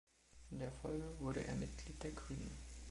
In der Folge wurde er Mitglied der Grünen.